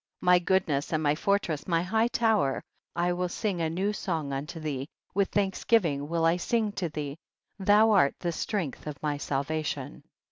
3. My goodness and my fortress, my high tower, I will sing a new song unto thee, with thanksgiving will I sing to thee, thou art the strength of my salvation.